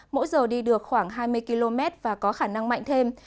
mỗi giờ đi được khoảng hai mươi km và có khả năng mạnh thêm